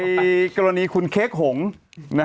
ไปกรณีคุณเค้กหงษ์